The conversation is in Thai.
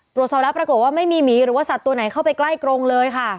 ตรวจสอบแล้วปรากฏว่าไม่มีหมีหรือว่าสัตว์ตัวไหนเข้าไปใกล้กรงเลยค่ะ